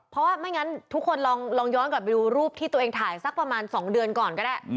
เพราะว่าไม่งั้นทุกคนลองย้อนกลับไปดูรูปที่ตัวเองถ่ายสักประมาณ๒เดือนก่อนก็ได้